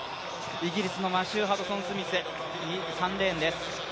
イギリスのマシュー・ハドソンスミス、３レーンです。